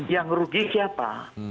yang rugi siapa